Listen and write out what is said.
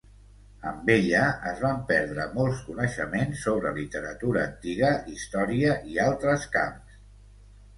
Amb ella es van perdre molts coneixements sobre literatura antiga, història, i altres camps.